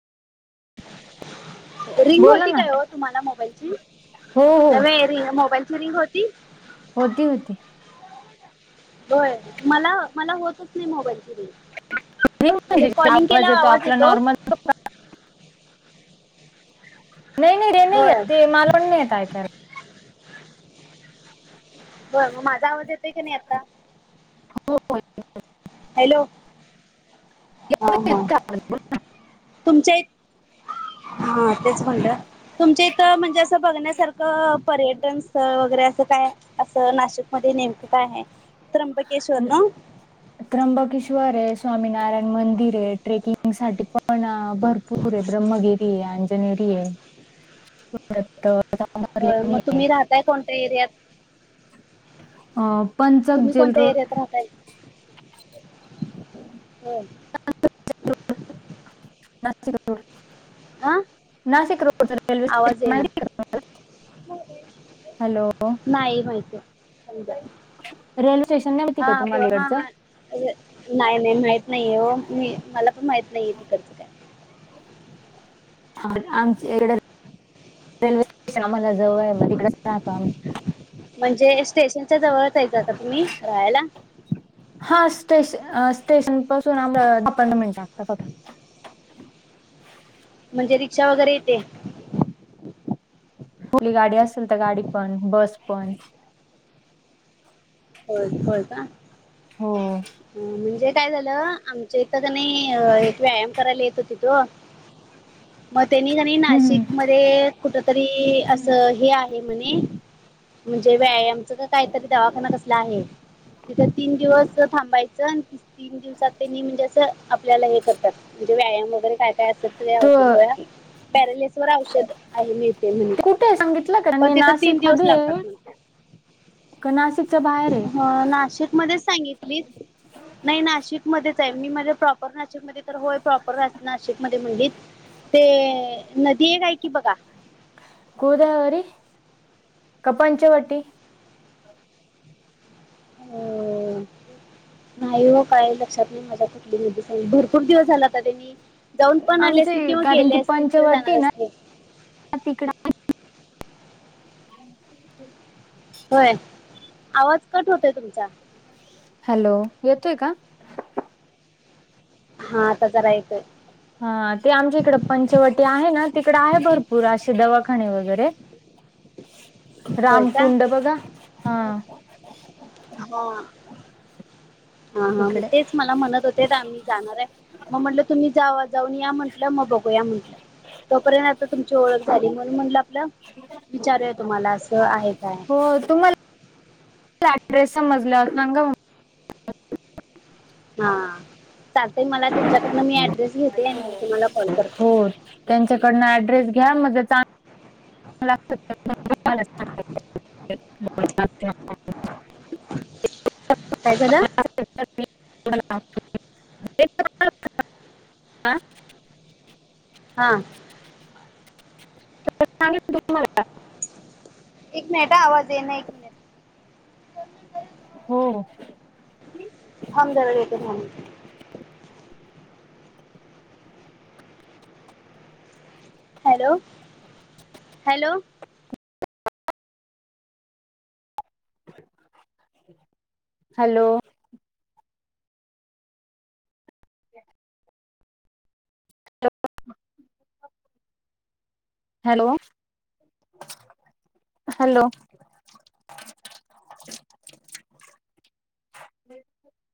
Ring बोला होती ना काय तुम्हाला मोबालची हो हो न रंग मोबाल फंग होती होती होती होय मला मला होतच नाही मोबाईल फिरी आवाज येतो आपला नॉर्मल नाही नाही रे नाही य होय ते मालवण नाही येत ऐका बर मग माझा आवाज येतोय काी नाही आता हो हॅलो हा येत हा का आवाज? तुमच्या हा तेच म्हणत तुमच्या इथ म्हणजे असं बघण्यासारख पर्यटन स्थळ वगैरे असं काय असं नाशिकमध्येध्ये नेमकं काय आहे तर ककेश्वर ना त्र्यंबकेश्वर है स्वामीनारायण मंदिर है ट्रेकिंग साठी पण भरपूर आहे ब्रह्मगिरी आहे अंजनेरी आहे ले होय मग आहे तुम्ही राहताय कोणत्या एरियात अ पंचक जेल रोड राह हो ह नाशिक रोड हां नाशिक रोडच रेल्वे आवाज स्टेशन येईना माहिती हॅलो नाही माहित समजा रेल्वे स्टेशन नाही माहिती हा का ब तुम्हाला हा हा इकडचं अर नाही नाही माहित नाहीये हो मी मला पण माहित नाहीये तिकडचं काय आमच ए रेल्वे स्टेशन आम्हाला जवळ आहे मग तिकडेच राहतो आम्ही म्हणजे स्टेशनच्या जवळच यायच का तुम्ही राहायला हा स्टेशन स्टेशन पासून आम्हाला दहा पंधरा मिनिट लागतातता म्हणजे रिक्षा वगैरे येते खुली गाडी असेल तर गाडी पण बस पण हो कळ का हो अ म्हणजे काय झालं आमच्या इथं का नाही एक व्यायाम करायला येतो तिथो मग त्यांनी कनी हम्म नाशिक मध्ये ते कुठ तरी अस हे आहे म्हणे म्हणजे व्यायाम काहीतरी दवाखाना कसला आहे.. तिथ तीन दिवस तीन दिवसात म्हणजे अस आपल्याला हे करतात म्हणे व्यायाम वगैरे काय काय असेल तुझ्या तो औषध गोळ्या पॅरलेस वर औषध आहे मिळते म्हणे.. ते कुठे आहे सांगितलं का पण त्यांनी तिथं तीन नाशिक दिवस मध्ये लागतात आहे म्हण. का नाशिकच्या बाहेर आहे ह नाशिक मध्येच सांगितलीतं नाही नाशिकमध्येचं हाय.. मी माझ प्रॉपर नाशिकमध्ये तर होय प्रॉपर नाशिकमध्ये म्हणलितं ते नदी एक आहे की बघा गोदावरी की पंचवटी अ.. नाही व काय लक्षात नाही माझ्या कुठली नदी पण भरपूर खूप दिवस झाला आता त्यांनी जाऊन पण आले आमची असतील किंवा कारण गेले असतील किंवा जाणार असतील ह तिकड होय आवाज कट होतोय तुमचा हॅलो. येतोय का? हा आता जरा येतोय हा ते आमच्या इकडे पंचवटी आहे ना तिकड आहे भरपूर असे दवाखाने वगैरे होय का रामकुंड बघा हा हा हा हा मग तिकडे तेच मला म्हणत होते आम्ही जाणार हाय मग म्हटलं तुम्ही जावा जाऊन या म्हटलं मग बघू या म्हटलं तोपर्यंत आता तुमची ओळख झाली म्हणून म्हटलं आपलं विचारूया तुम्हाला असं आहे काय हो तुम्हाला ऍड्रेस समजल्यावर सांगा मग हा चालतय मला त्यांच्याकडनं मी ऍड्रेस घेते आणि मग तुंम्हाला कॉल करते त्यांच्याकडन ऍड्रेस घ्या मग त्याचा [inaudible] काय झालं? [unintelligible] [inaudible] आ हा सांगितलं तुम्हाला एक मिनिटं हा आवाज येना इकडं हो.. हो थांब जरा येतो थांब.. hello... hello hello.. [inaudible] hello.... hello